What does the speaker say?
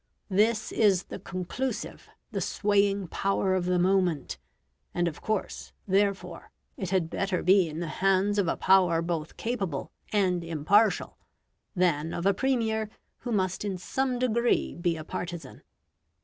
This is the conclusive, the swaying power of the moment, and of course, therefore, it had better be in the hands of a power both capable and impartial, than of a Premier who must in some degree be a partisan.